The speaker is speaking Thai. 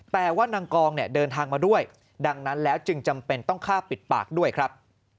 แต่ว่านางกองเนี่ยเดินทางมาด้วยดังนั้นแล้วจึงจำเป็นต้องฆ่าปิดปากด้วยครับ